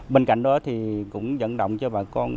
bên cạnh đó thì cũng dẫn động cho bà con